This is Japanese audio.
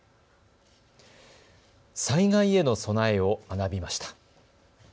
災害への備えを学びました。